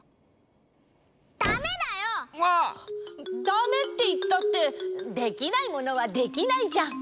「ダメ」っていったってできないものはできないじゃん。